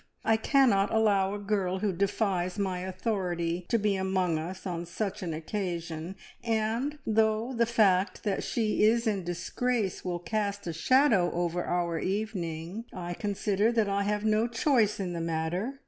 I cannot allow a girl who defies my authority to be among us on such an occasion, and though the fact that she is in disgrace will cast a shadow over our evening, I consider that I have no choice in the matter.